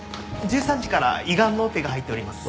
１３時から胃がんのオペが入っております。